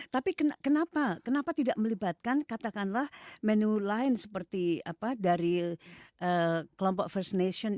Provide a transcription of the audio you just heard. tapi kenapa kenapa tidak melibatkan katakanlah menu lain seperti apa dari kelompok fascination